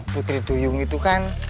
putri duyung itu kan